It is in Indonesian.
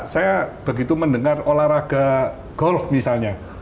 saya begitu mendengar olahraga golf misalnya